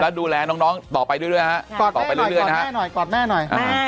และดูแลน้องต่อไปเรื่อยนะครับ